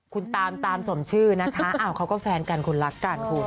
คุณตามตามสมชื่อนะคะเขาก็แฟนกันคุณรักกันคุณ